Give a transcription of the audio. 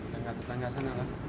dengan tetangga sana lah